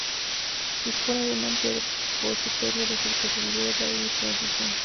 Dispone de un amplio repositorio de efectos de vídeo, de audio y transiciones.